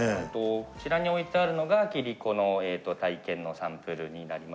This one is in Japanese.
こちらに置いてあるのが切子の体験のサンプルになります。